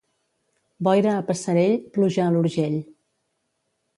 Boira a Passerell, pluja a l'Urgell.